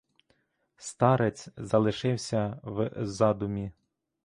Старець залишився в задумі.